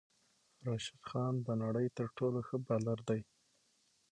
راشد خان د نړی تر ټولو ښه بالر دی